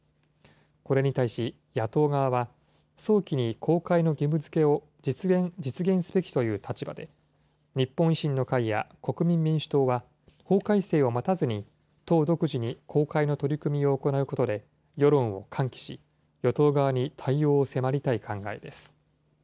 これに対し野党側は、早期に公開の義務づけを実現すべきという立場で、日本維新の会や国民民主党は法改正を待たずに、党独自に公開の取り組みを行うことで世論を喚起し、与党側に対応を迫りたい考えです。